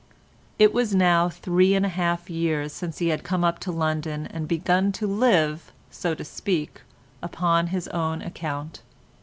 It was now three and a half years since he had come up to London and begun to live, so to speak, upon his own account.